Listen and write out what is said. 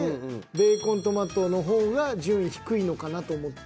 ベーコントマトの方が順位低いのかなと思って。